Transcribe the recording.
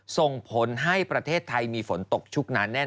ส่งผลให้ประเทศไทยมีฝนตกชุกหนาแน่น